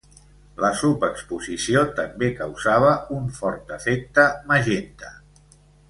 La subexposició també causava un fort efecte magenta.